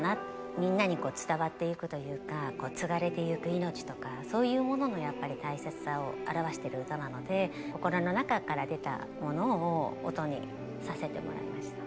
みんなにこう伝わっていくというか継がれていくいのちとかそういうものの大切さを表してる歌なので心の中から出たものを音にさせてもらいました。